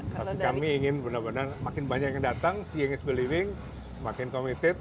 tapi kami ingin benar benar makin banyak yang datang seeing is believing makin committed